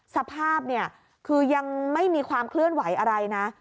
สภาพเนี่ยคือยังไม่มีความเคลื่อนไหวอะไรนะ